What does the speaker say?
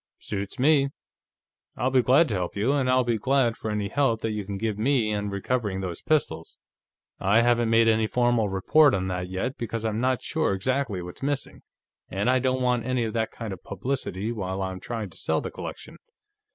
"Suits me. I'll be glad to help you, and I'll be glad for any help you can give me on recovering those pistols. I haven't made any formal report on that, yet, because I'm not sure exactly what's missing, and I don't want any of that kind of publicity while I'm trying to sell the collection.